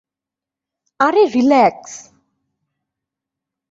আরে, রিল্যাক্স!